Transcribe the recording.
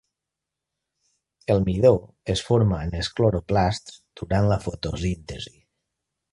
El midó es forma en els cloroplasts durant la fotosíntesi.